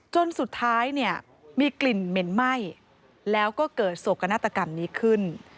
จนสุดท้ายเนี่ยมีกลิ่นเหม็นไหม้แล้วก็เกิดโศกนาฏกรรมนี้ขึ้น